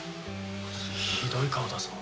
ひどい顔だぞ。